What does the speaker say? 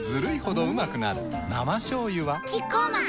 生しょうゆはキッコーマン